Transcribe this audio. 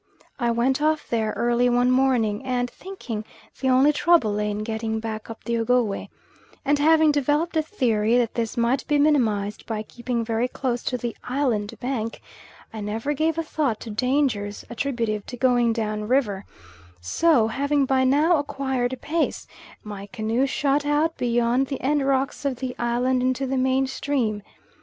I went off there early one morning; and thinking the only trouble lay in getting back up the Ogowe, and having developed a theory that this might be minimised by keeping very close to the island bank, I never gave a thought to dangers attributive to going down river; so, having by now acquired pace, my canoe shot out beyond the end rocks of the island into the main stream.